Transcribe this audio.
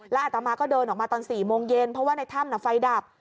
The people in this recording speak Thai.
อัตมาก็เดินออกมาตอน๔โมงเย็นเพราะว่าในถ้ำไฟดับ